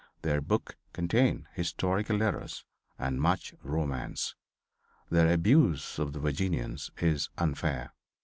|| Their books contain historical errors and much romance. Their || abuse of the Virginians is unfair.